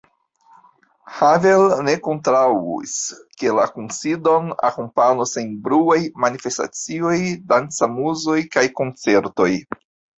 Havel ne kontraŭus, ke la kunsidon akompanu senbruaj manifestacioj, dancamuzoj kaj koncertoj.